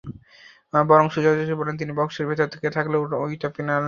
বরং সোজাসুজি বললেন, তিনি বক্সের ভেতরে থেকে থাকলে ওটা পেনাল্টিই ছিল।